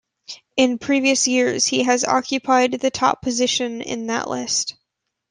In previous years he has occupied the top position in that list.